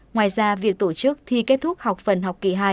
ngoài ra việc tổ chức thi kết thúc học phần học kỳ hai